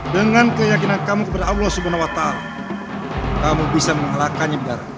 dengan keyakinan kamu kepada allah swt kamu bisa mengalahkannya biar